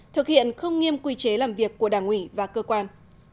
thực hiện không nghiêm quy chế làm việc của đảng ủy và cơ quan